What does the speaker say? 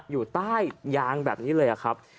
อยู่ใต้ยางแบบนี้เลยครับ